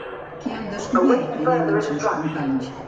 Què han descobert ella i els seus companys?